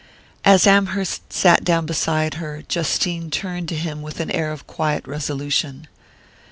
As Amherst sat down beside her, Justine turned to him with an air of quiet resolution.